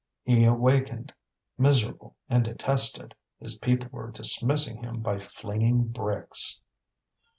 He awakened, miserable and detested; his people were dismissing him by flinging bricks.